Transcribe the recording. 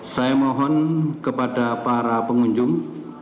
saya mohon kepada para pengunjung